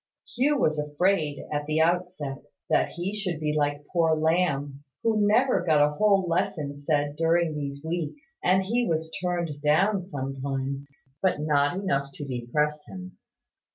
Hugh was afraid, at the outset, that he should be like poor Lamb, who never got a whole lesson said during these weeks: and he was turned down sometimes; but not often enough to depress him.